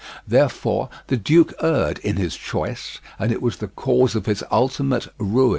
Therefore, the duke erred in his choice, and it was the cause of his ultimate ruin.